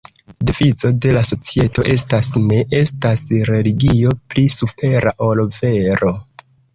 Devizo de la societo estas "ne estas religio pli supera ol vero".